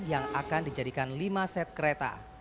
yang akan dijadikan lima set kereta